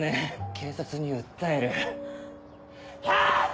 警察に訴えはぁ